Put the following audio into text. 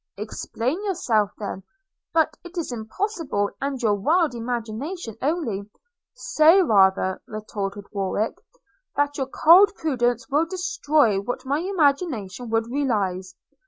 'Explain yourself then – but it is impossible, and your wild imagination only –' 'Say rather,' retorted Warwick, 'that your cold prudence will destroy what my imagination would realize.